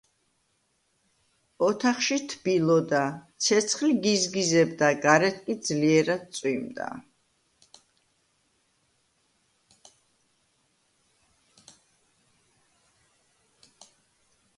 ოთახში თბილოდა, ცეცხლი გიზგიზებდა, გარეთ კი ძლიერად წვიმდა